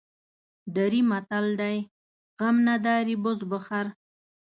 دري متل دی: غم نداری بز بخر.